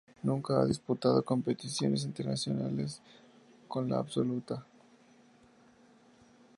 Nunca ha disputado competiciones internacionales con la absoluta.